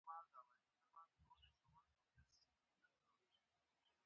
• هېڅ شی نه ښایي، سوء تعبیر ولري.